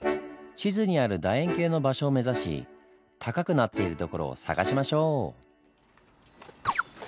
地図にあるだ円形の場所を目指し高くなっている所を探しましょう！